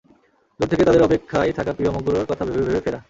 দূর দেশে তাঁদের অপেক্ষায় থাকা প্রিয় মুখগুলোর কথা ভেবে ভেবে ফেরা।